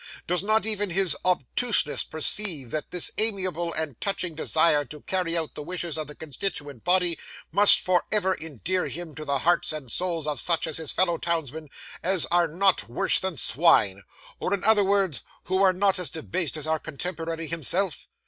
Does not even his obtuseness perceive that this amiable and touching desire to carry out the wishes of the constituent body, must for ever endear him to the hearts and souls of such of his fellow townsmen as are not worse than swine; or, in other words, who are not as debased as our contemporary himself?